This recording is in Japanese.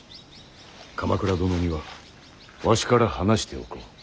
鎌倉殿にはわしから話しておこう。